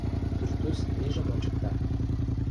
Пӱртӱс вийжым ончыкта —